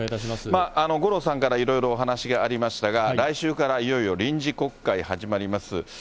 五郎さんからいろいろお話がありましたが、来週からいよいよ臨時国会始まります。